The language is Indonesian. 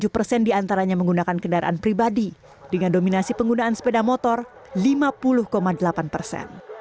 tujuh persen diantaranya menggunakan kendaraan pribadi dengan dominasi penggunaan sepeda motor lima puluh delapan persen